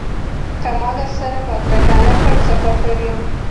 که ما در سره بدرګه نه کړ زه کافر یم.